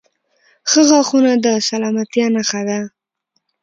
• ښه غاښونه د سلامتیا نښه ده.